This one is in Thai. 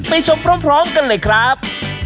ชมพร้อมกันเลยครับ